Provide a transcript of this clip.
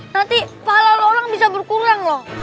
tadi pahala lu orang bisa berkurang loh